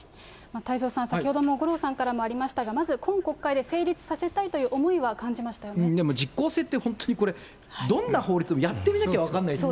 太蔵さん、先ほども五郎さんからもありましたが、まず今国会で成立させたいでも実効性って、本当にこれ、どんな法律もやってみなきゃ分かんないっていう。